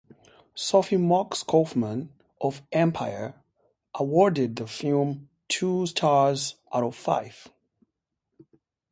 Sophie Monks Kaufman of "Empire" awarded the film two stars out of five.